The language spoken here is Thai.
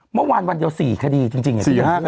เมื่อวานวันเดียว๔คดีจริง